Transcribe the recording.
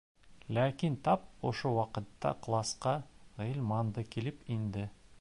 Ләкин тап ошо ваҡытта класҡа Ғилман да килеп инде.